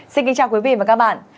xin kính chào quý vị và các bạn